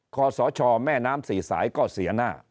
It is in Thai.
ขอสชแม่น้ำสี่สายก็เสียหน้า